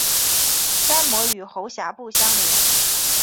鳃膜与喉峡部相连。